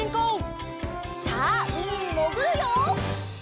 さあうみにもぐるよ！